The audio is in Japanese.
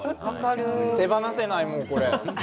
手放せない、もうこれ。